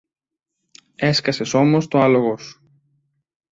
Έσκασες όμως το άλογο σου.